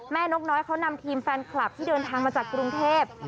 นกน้อยเขานำทีมแฟนคลับที่เดินทางมาจากกรุงเทพ